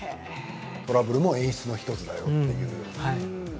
トラブルも演出の１つだよという。